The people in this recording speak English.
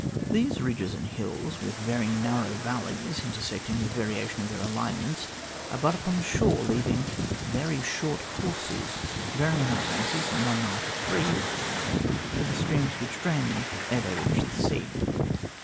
These 140 THE GLADSTONE COLONY ridges and hills, with very narrow valleys intersecting the variation of their alignments, abut upon the shore, leaving very short courses, varying, I fancy, from one mile to three, for the streams which drain them ere they reach the sea.